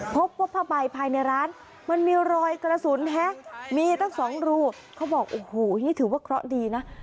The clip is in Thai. พบว่าผ้าใบภายในร้านมันมีรอยกระสุนมีตั้งสองรูเขาบอกโอ้โหนี่ถือว่าเคราะห์ดีนะ